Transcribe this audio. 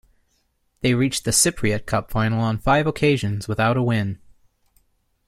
They reached the Cypriot Cup final on five occasions without a win.